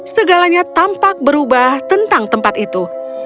segalanya tampak berubah tentang tempat itu